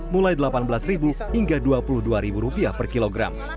mulai rp delapan belas hingga rp dua puluh dua per kilogram